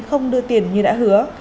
không đưa tiền như đã hứa